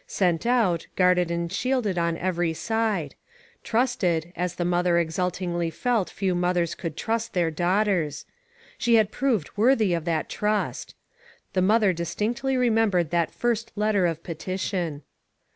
Sent out, guarded and shielded on every side. Trusted, as the mother exultingly felt few mothers could trust their daughters. She had proved worthy of the trust. The mother distinctly remembered that first letter of petition.